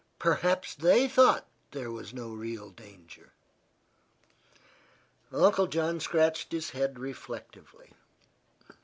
Perhaps they thought there was no real danger." Uncle John scratched his head reflectively.